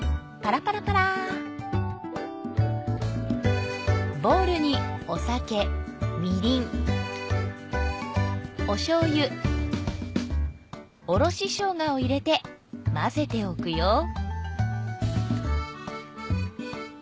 パラパラパラボウルにお酒みりんおしょうゆおろししょうがを入れて混ぜておくよ